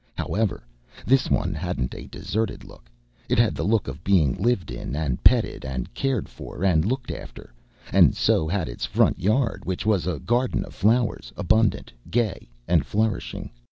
However, this one hadn't a deserted look; it had the look of being lived in and petted and cared for and looked after; and so had its front yard, which was a garden of flowers, abundant, gay, and flourishing.